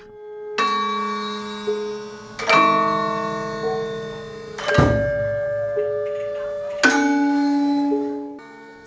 prosesi ini diakini sebagian orang bisa memberikan berkah bagi kehidupan mereka yang mendengarnya